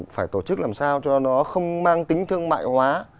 phải tổ chức làm sao cho nó không mang tính thương mại hóa